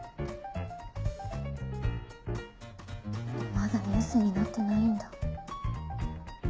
まだニュースになってないんだ。